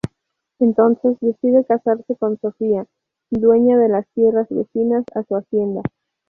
Entonces decide casarse con Sofía, dueña de las tierras vecinas a su hacienda.